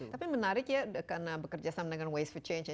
tapi menarik ya karena bekerja sama dengan waste for change nya